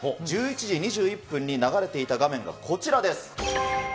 １１時２１分に流れていた画面がこちらです。